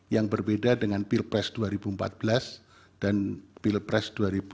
yang berbeda dengan pilpres dua ribu empat belas dan pilpres dua ribu sembilan belas